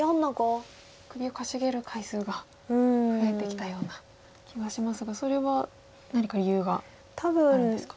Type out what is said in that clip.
首をかしげる回数が増えてきたような気がしますがそれは何か理由があるんですか？